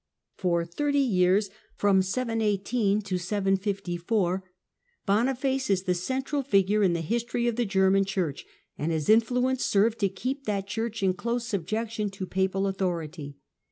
For thirty years Boniface is the central figure in the history of the German Church, and his influence served to keep that Church in close subjection to Papal authority.